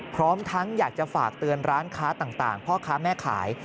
พร้อมทั้งอยากจะฝากเตือนร้านค้าต่างพ่อค้าแม่ขาย